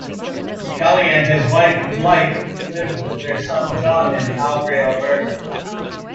Kelly and his wife Blythe live with their son John in Calgary, Alberta.